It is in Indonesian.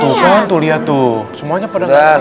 tuh kan tuh lihat tuh semuanya pada gas